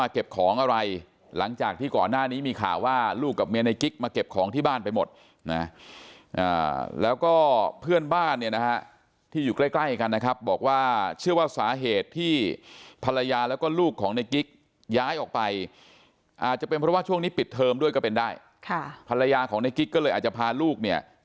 เก็บของอะไรหลังจากที่ก่อนหน้านี้มีข่าวว่าลูกกับเมียในกิ๊กมาเก็บของที่บ้านไปหมดนะแล้วก็เพื่อนบ้านเนี่ยนะฮะที่อยู่ใกล้ใกล้กันนะครับบอกว่าเชื่อว่าสาเหตุที่ภรรยาแล้วก็ลูกของในกิ๊กย้ายออกไปอาจจะเป็นเพราะว่าช่วงนี้ปิดเทอมด้วยก็เป็นได้ค่ะภรรยาของในกิ๊กก็เลยอาจจะพาลูกเนี่ย